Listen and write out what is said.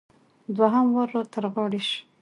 دوهم وار را تر غاړې شو.